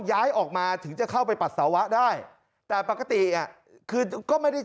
ย้ายออกมาถึงจะเข้าไปปัสสาวะได้แต่ปกติอ่ะคือก็ไม่ได้